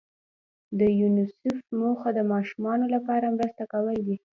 د یونیسف موخه د ماشومانو لپاره مرسته کول دي.